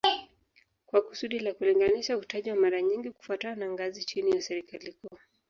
Kwa kusudi la kulinganisha hutajwa mara nyingi kufuatana na ngazi chini ya serikali kuu